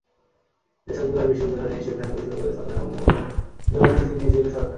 যেসব জেলায় বিশ্ববিদ্যালয় নেই, সেখানে বিশ্ববিদ্যালয় স্থাপনের অনুমোদন দেওয়ার নীতি নিয়েছিল সরকার।